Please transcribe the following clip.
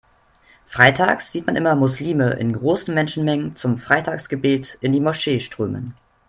Freitags sieht man immer Muslime in großen Menschenmengen zum Freitagsgebet in die Moschee strömen.